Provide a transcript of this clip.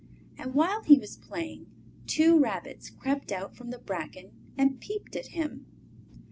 And while he was playing, two rabbits crept out from the bracken and peeped at him.